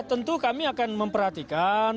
tentu kami akan memperhatikan